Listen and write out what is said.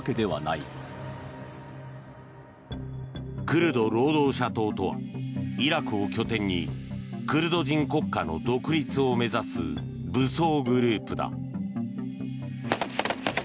クルド労働者党とはイラクを拠点にクルド人国家の独立を目指す武装グループだ。